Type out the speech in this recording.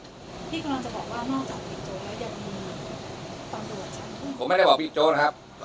พี่กำลังจะบอกว่านอกจากพี่โจ๊กแล้วยังมีตำรวจชั้น